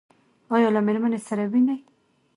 ایا له میرمنې سره وینئ؟